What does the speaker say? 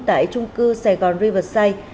tại trung cư sài gòn riverside